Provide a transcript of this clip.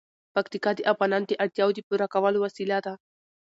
پکتیکا د افغانانو د اړتیاوو د پوره کولو وسیله ده.